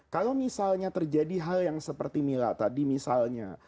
kalau misalnya terjadi hal yang seperti mila tadi misalnya